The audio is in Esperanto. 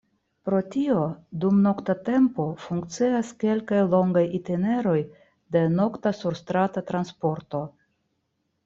Pro tio dum nokta tempo funkcias kelkaj longaj itineroj de nokta surstrata transporto.